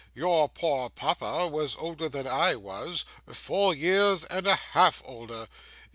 Your poor papa was older than I was, four years and a half older.